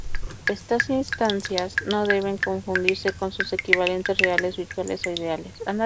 Estas instancias no deben confundirse con sus equivalentes reales, virtuales o ideales.